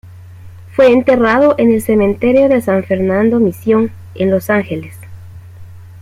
Fue enterrado en el Cementerio de San Fernando Mission, en Los Ángeles.